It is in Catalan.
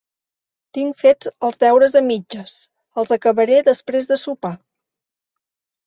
Tinc fets els deures a mitges. Els acabaré després de sopar.